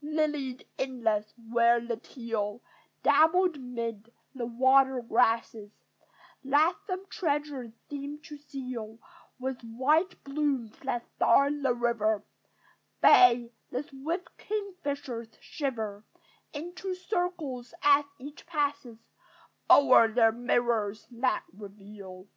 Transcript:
Lilied inlets, where the teal Dabble 'mid the water grasses, That some treasure seem to seal With white blooms that star the river: Bays, the swift kingfishers shiver Into circles as each passes O'er their mirrors that reveal.